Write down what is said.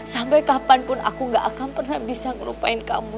sampai kapanpun aku gak akan pernah bisa ngelupain kamu